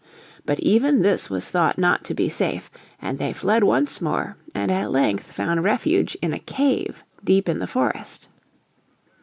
But even this was thought not to be safe, and they fled once more, and at length found refuge in a cave deep in the forest.